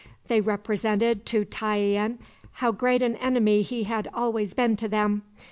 They represented to Tayian how great an enemy he had always been to them.